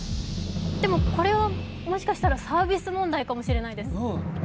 でも、これはもしかしたらサービス問題かもしれないです。